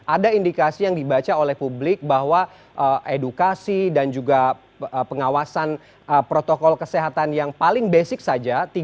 ada indikasi yang dibaca oleh publik bahwa edukasi dan juga pengawasan protokol kesehatan yang paling basic saja